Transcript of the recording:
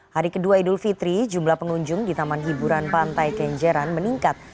hari kedua idul fitri jumlah pengunjung di taman hiburan pantai kenjeran meningkat